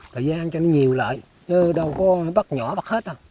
thời gian cho nó nhiều lại chứ đâu có bắt nhỏ bắt hết đâu